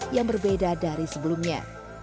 yang berbeda dari sebelumnya